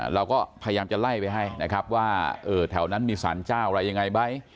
เราก็พยายามจะไล่ไปให้นะครับว่าแถวนั้นมีสารเจ้าอะไรยังไงไหม